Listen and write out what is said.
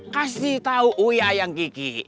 kikis tau gue ayang kiki